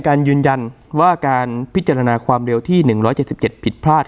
การยืนยันว่าการพิจารณาความเร็วที่หนึ่งร้อยเจ็ดสิบเจ็ดพิษพลาด